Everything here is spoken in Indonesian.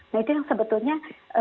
nah itu yang sebetulnya